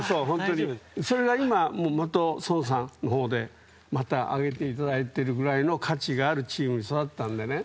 それが今、元を孫さんのほうで上げていただけるくらいの価値があるチームに育ったんでね